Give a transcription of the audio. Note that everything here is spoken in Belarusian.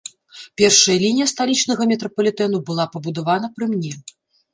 Першая лінія сталічнага метрапалітэну была пабудавана пры мне.